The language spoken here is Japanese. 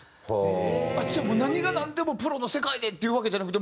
じゃあ何がなんでもプロの世界でっていうわけじゃなくて